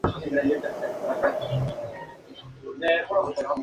Tsereteli abogó por la formación de una nueva Internacional Socialista.